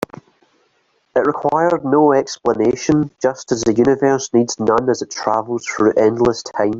It required no explanation, just as the universe needs none as it travels through endless time.